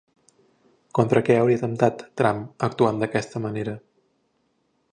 Contra què hauria atemptat, Trump, actuant d'aquesta manera?